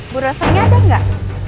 bu rosanya ada gak